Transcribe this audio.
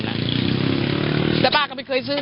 แต่ป้าก็ไม่เคยซื้อ